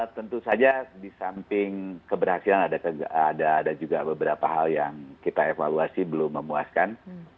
tentu saja di samping keberhasilan ada juga beberapa hal yang kita evaluasi belum memuaskan